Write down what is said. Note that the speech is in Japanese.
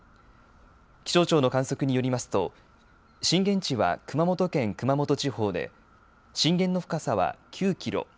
気象庁の観測によりますと震源地は熊本県熊本地方で震源の深さは９キロ。